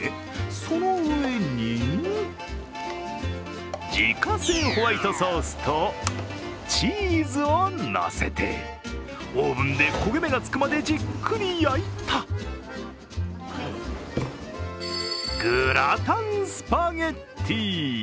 その上に自家製ホワイトソースとチーズを乗せてオーブンで焦げ目がつくまでじっくり焼いたグラタンスパゲッティ。